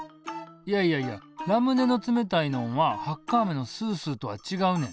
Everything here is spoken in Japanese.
いやいやいやラムネの冷たいのんはハッカあめのスースーとはちがうねん。